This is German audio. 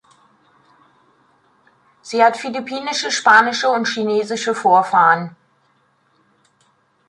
Sie hat philippinische, spanische und chinesische Vorfahren.